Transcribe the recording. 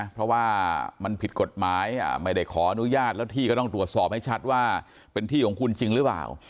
เพราะว่ามันผิดกฎหมายไม่ได้ขออนุญาตแล้วที่ก็ต้องตรวจสอบให้ชัดว่าเป็นที่ของคุณจริงหรือเปล่า